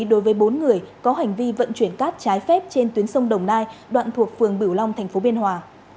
đối với bốn người có hành vi vận chuyển cát trái phép trên tuyến sông đồng nai đoạn thuộc phường bửu long tp biên hòa